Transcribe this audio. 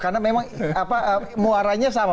karena memang muaranya sama